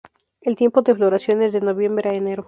El tiempo de floración es de noviembre a enero.